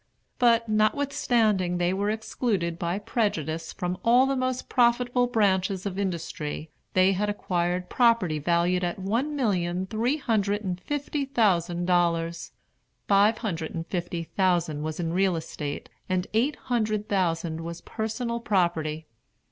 But, notwithstanding they were excluded by prejudice from all the most profitable branches of industry, they had acquired property valued at one million three hundred and fifty thousand dollars; five hundred and fifty thousand was in real estate, and eight hundred thousand was personal property.